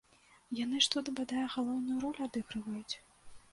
А яны ж тут, бадай, галоўную ролю адыгрываюць.